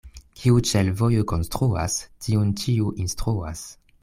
Kiu ĉe l' vojo konstruas, tiun ĉiu instruas.